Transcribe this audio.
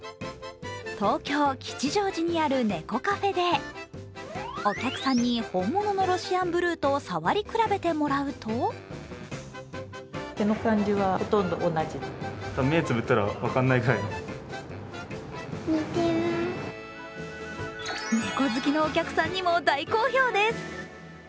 東京・吉祥寺にある猫カフェでお客さんに本物のロシアンブルーと触り比べてもらうと猫好きのお客さんにも大好評です。